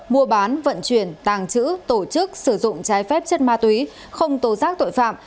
mua bán vận chuyển tàng trữ tổ chức sử dụng trái phép chất ma túy không tố giác tội phạm